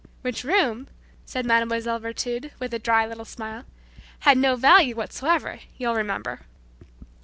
"Which room," said Mlle. Virtud, with a dry little smile, "had no value whatsoever, you'll remember."